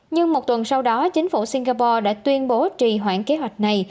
nhưng một tuần sau đó chính phủ singapore đã tuyên bố trì hoãn kế hoạch này